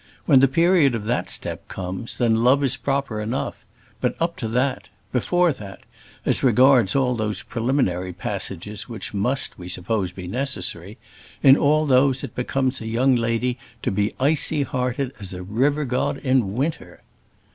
When the period of that step comes, then love is proper enough; but up to that before that as regards all those preliminary passages which must, we suppose, be necessary in all those it becomes a young lady to be icy hearted as a river god in winter.